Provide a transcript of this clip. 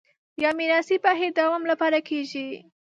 یا میراثي بهیر دوام لپاره کېږي